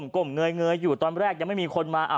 ก้มเงยอยู่ตอนแรกยังไม่มีคนมา